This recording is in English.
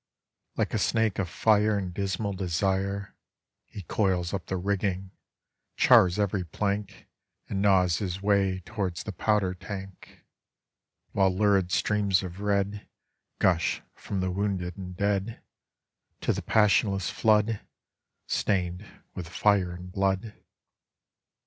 Like a snake of fire in dismal desire He coils up the rigging, c liars every plank And gnaws his ray towards the powder tank, T7hile lurid streams of red Gush from the wounded and dead To the passionless flood, Stained with fire and blood.